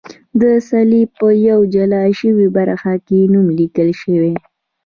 د څلي په یوه جلا شوې برخه کې نوم لیکل شوی.